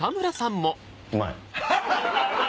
うまい。